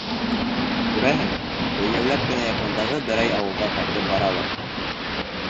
Күрәһең, йәйәүләп кенә яҡындағы берәй ауылға ҡайтып баралыр.